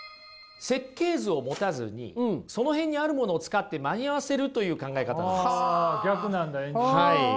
設計図を持たずにその辺にあるものを使って間に合わせるという考え方なんです。